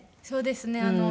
そうですね。